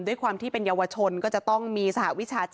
ด้วยความที่เป็นเยาวชนก็จะต้องมีสหวิชาชีพ